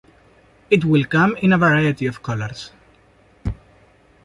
It will come in a variety of colors.